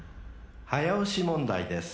［早押し問題です］